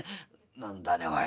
「何だねおい